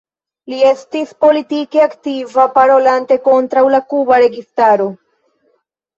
Li estis politike aktiva parolante kontraŭ la kuba registaro.